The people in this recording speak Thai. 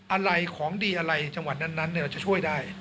อะไรของดีอะไรจังหวัดนั้นเราจะช่วยได้